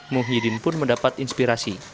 muhyiddin pun mendapat inspirasi